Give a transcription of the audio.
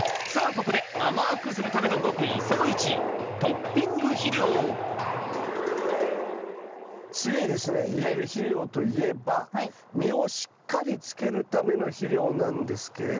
ここで次にですね入れる肥料といえば実をしっかりつけるための肥料なんですけれど。